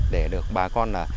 để được bà con